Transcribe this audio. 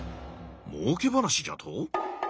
もうけ話じゃと？